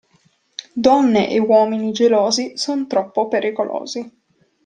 Donne e uomini gelosi son troppo pericolosi.